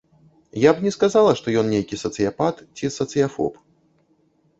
Я б не сказала, што ён нейкі сацыяпат ці сацыяфоб.